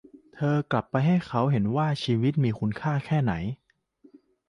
เธอกลับทำให้เขาเห็นว่าชีวิตมีคุณค่าแค่ไหน